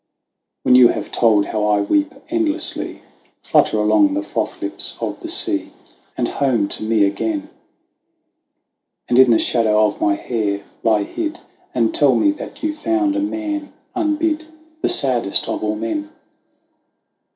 " When you have told how I weep endlessly, Flutter along the froth lips of the sea And home to me again, And in the shadow of my hair lie hid, And tell me how you came to one unbid, The saddest of all men."